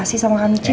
makasih sama kak michi